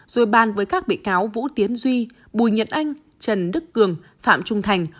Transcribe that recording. rồi bàn với các bị cáo vũ tiến duy bùi nhật anh trần đức cường phạm trung thành